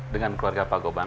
dengan keluarga pak gopang